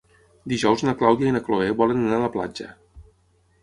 Dijous na Clàudia i na Cloè volen anar a la platja.